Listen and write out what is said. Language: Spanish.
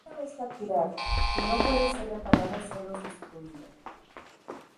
Una vez fracturado, que no puede ser reparado sólo sustituido.